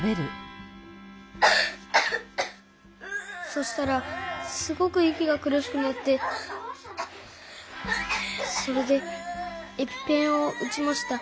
そしたらすごくいきがくるしくなってそれでエピペンをうちました。